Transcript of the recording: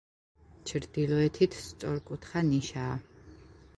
ჩრდილოეთით სწორკუთხა ნიშაა.